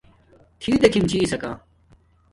تھی دیکھم چھی ساکا